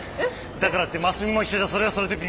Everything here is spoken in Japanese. だからって真澄も一緒じゃそれはそれで微妙だろ。